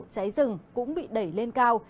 cháy rừng cũng bị đẩy lên cao